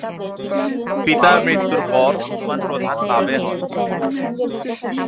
পিতার মৃত্যুর পর উসমান প্রধান বা বে হন।